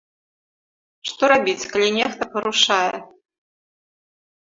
Што рабіць, калі нехта парушае?